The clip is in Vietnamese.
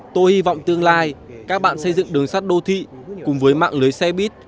tôi hy vọng tương lai các bạn xây dựng đường sắt đô thị cùng với mạng lưới xe buýt